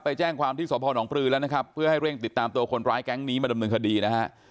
แจ้งความที่สพนปลือแล้วนะครับเพื่อให้เร่งติดตามตัวคนร้ายแก๊งนี้มาดำเนินคดีนะฮะ